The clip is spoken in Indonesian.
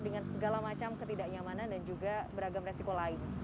dengan segala macam ketidaknyamanan dan juga beragam resiko lain